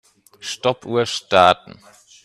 Stoppuhr starten.